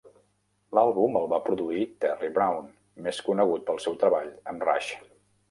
L'àlbum el va produir Terry Brown, més conegut pel seu treball amb Rush.